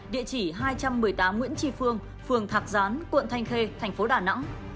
địa chỉ hai trăm một mươi tám nguyễn tri phương phường thạc gián quận thanh khê tp đà nẵng